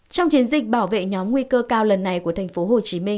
trong chiến dịch bảo vệ nhóm nguy cơ cao lần này của tp hcm